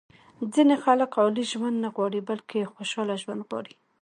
ځینې خلک عالي ژوند نه غواړي بلکې خوشاله ژوند غواړي.